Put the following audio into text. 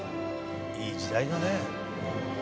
いい時代だね。